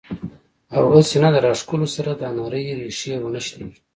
او هسې نه د راښکلو سره دا نرۍ ريښې ونۀ شليږي